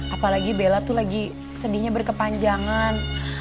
apalagi bella tuh lagi sedihnya berkepanjangan